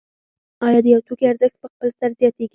آیا د یو توکي ارزښت په خپل سر زیاتېږي